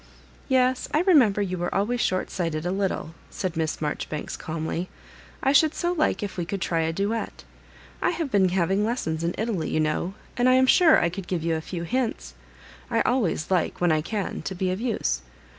" Yes, I remember you were always shortsight ed a little," said Miss Maijoribanks, calmly. " I should so like if we could try a duet. I have been having lessons in Italy, you know, and I am sure I could give you a few hints. I always like, when I can, to be of use.